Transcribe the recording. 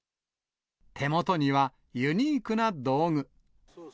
手元にはユニークな道具。